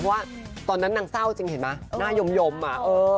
ว่าตอนนั้นนางเศร้าจริงเห็นไหมหน้ายมอ่ะเออ